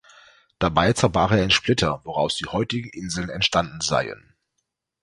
Dabei zerbrach er in Splitter, woraus die heutigen Inseln entstanden seien.